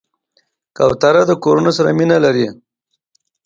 کوتره د کورونو سره مینه لري.